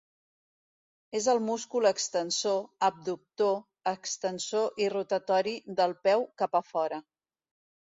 És el múscul extensor, abductor, extensor i rotatori del peu cap a fora.